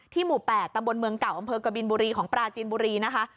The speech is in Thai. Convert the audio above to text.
หมู่๘ตำบลเมืองเก่าอำเภอกบินบุรีของปราจีนบุรีนะคะ